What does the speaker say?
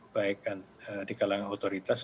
baik di kalangan otoritas